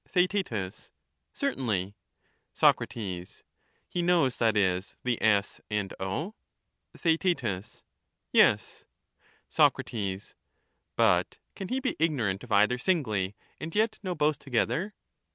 Theaet, Certainly. Sac, He knows, that is, the S and O ? Theaet, Yes. Sac. But can he be ignorant of either singly and yet know both together